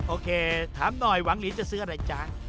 โอเคถามหน่อยวันนี้จะซื้ออะไรจ้า